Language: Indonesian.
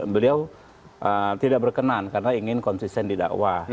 beliau tidak berkenan karena ingin konsisten didakwa